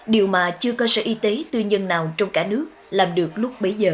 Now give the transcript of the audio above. điều mà chưa cơ sở y tế tư nhân nào trong cả nước làm được lúc bấy giờ